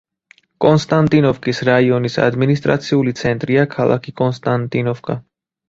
კონსტანტინოვკის რაიონის ადმინისტრაციული ცენტრია ქალაქი კონსტანტინოვკა.